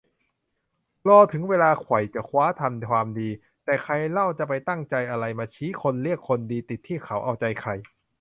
รอถึงเวลาจะไขว่จะคว้าทำความดี แต่ใครเล่าใครจะไปตั้งใจอะไรจะมาชี้ คนเรียกคนดี ติดที่เขาเอาใจใคร